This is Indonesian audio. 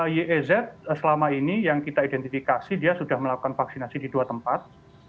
yez selama ini yang kita identifikasi dia sudah melakukan vaksinasi di dua tempat